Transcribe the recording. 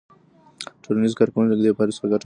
ټولنیز کارکوونکي له دې پایلو څخه ګټه اخلي.